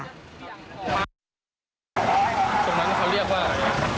ตรงนั้นเขาเรียกว่าอะไรครับ